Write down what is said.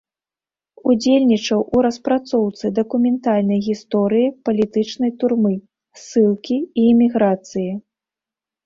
Удзельнічаў у распрацоўцы дакументальнай гісторыі палітычнай турмы, ссылкі і эміграцыі.